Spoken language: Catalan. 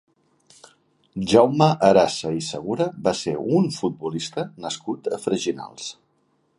Jaume Arasa i Segura va ser un futbolista nascut a Freginals.